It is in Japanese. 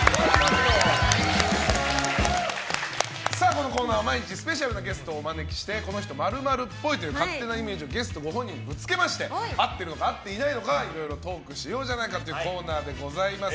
このコーナーは毎日スペシャルなゲストをお招きしてこの人○○っぽいという勝手なイメージをゲストご本人にぶつけまして合っているのか合っていないのかいろいろトークしようじゃないかというコーナーでございます。